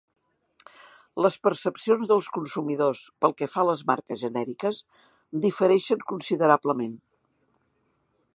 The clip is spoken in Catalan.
Les percepcions dels consumidors pel que fa a les marques genèriques difereixen considerablement.